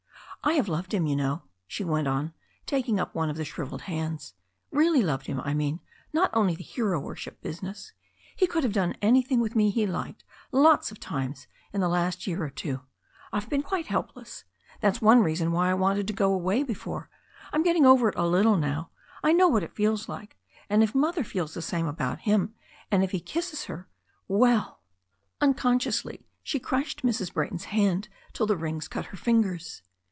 "I have loved him, you know," she went on, taking up one of the shrivelled hands. "Really loved him, I meatv— w^l only the hero worship business. He couid Vva.N^ 'dotvfc ^^^ 232 THE STORY OF A NEW ZEALAND RIVER thing with me he liked lots of times in the last year or two. I've been quite helpless — ^that's one reason why I wanted to go away before. I'm getting over it a little now and I know what it feels like, and if Mother feels the same about him and if he kisses her — ^well ^" Unconsciously she crushed Mrs. Brayton's hand till the rings cut her fingers.